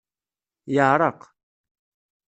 Yeɛreq.